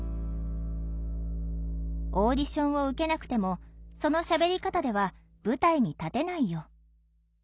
「オーディションを受けなくてもその喋り方では舞台に立てないよ」。